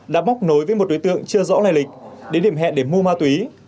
đã móc nối với một đối tượng chưa rõ lai lịch đến điểm hẹn để mua ma túy